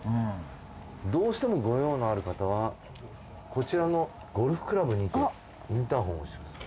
どうしても御用のある方はこちらのゴルフクラブにてインターホンを押してください。